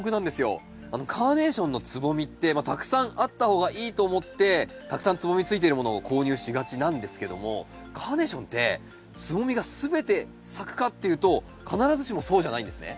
カーネーションのつぼみってたくさんあった方がいいと思ってたくさんつぼみついてるものを購入しがちなんですけどもカーネーションってつぼみが全て咲くかっていうと必ずしもそうじゃないんですね。